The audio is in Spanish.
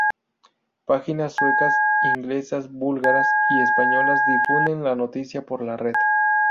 Páginas suecas, inglesas, búlgaras y españolas difunden la noticia por la red.